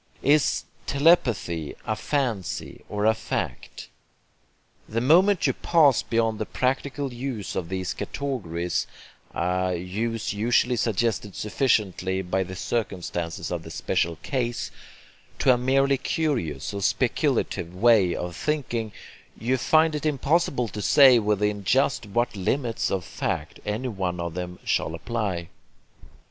Is 'telepathy' a 'fancy' or a 'fact'? The moment you pass beyond the practical use of these categories (a use usually suggested sufficiently by the circumstances of the special case) to a merely curious or speculative way of thinking, you find it impossible to say within just what limits of fact any one of them shall apply.